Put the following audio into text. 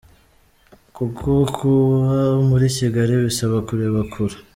kuko kuba muri Kigali bisaba kureba kure.